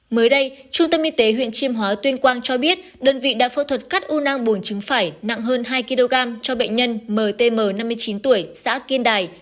mới đây trung tâm y tế huyện chiêm hóa tuyên quang cho biết đơn vị đã phẫu thuật cắt u nang bùn trứng phải nặng hơn hai kg cho bệnh nhân mtm năm mươi chín tuổi xã kiên đài